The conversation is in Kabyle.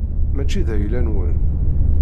Mačči d ayla-nwen.